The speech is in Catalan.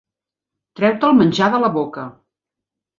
Treu-te el menjar de la boca.